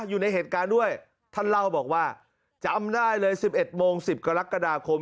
อยู่ในเหตุการณ์ด้วยท่านเล่าบอกว่าจำได้เลย๑๑โมง๑๐กรกฎาคม